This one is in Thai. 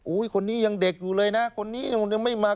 คนนี้ยังเด็กอยู่เลยนะคนนี้ยังไม่มา